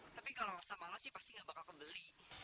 tapi kalau ketawa juga banget sih